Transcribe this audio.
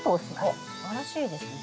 おっすばらしいですね。